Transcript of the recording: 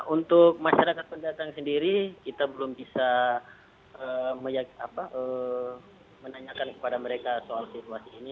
untuk masyarakat pendatang sendiri kita belum bisa menanyakan kepada mereka soal situasi ini